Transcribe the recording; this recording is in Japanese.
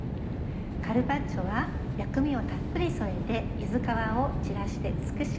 カルパッチョは薬味をたっぷり添えて柚子皮を散らして美しく。